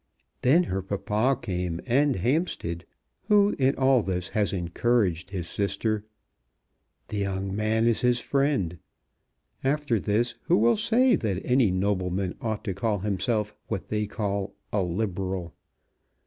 Then her papa came, and Hampstead, who in all this has encouraged his sister. The young man is his friend. After this who will say that any nobleman ought to call himself what they call a Liberal?